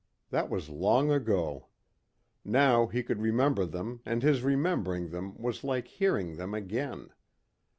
That was long ago. Now he could remember them and his remembering them was like hearing them again.